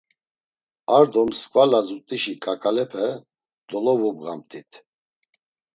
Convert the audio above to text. Ar do msǩva lazut̆işi ǩaǩalape kodovubğamt̆it.